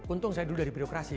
untung saya dulu dari birokrasi